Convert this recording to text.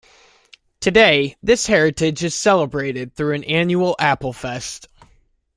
Today, this heritage is celebrated through an annual Applefest.